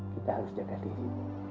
kita harus jaga diri